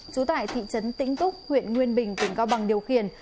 trú tại thị trấn tĩnh túc huyện nguyên bình tỉnh cao bằng điều khiển